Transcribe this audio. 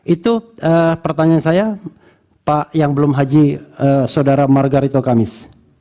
itu pertanyaan saya pak yang belum haji saudara margaretto kamis